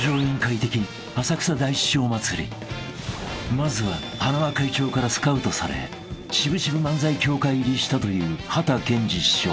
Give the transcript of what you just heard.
［まずは塙会長からスカウトされ渋々漫才協会入りしたというはたけんじ師匠］